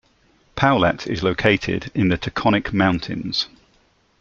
Pawlet is located in the Taconic Mountains.